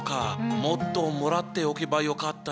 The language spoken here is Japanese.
もっともらっておけばよかったな。